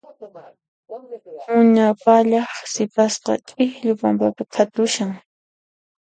Muña pallaq sipasqa k'ikllu pampapi qhatushan.